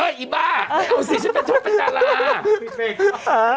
เฮ้ยอีบ้าไม่เอาสิฉันเป็นสตปัญญาณราช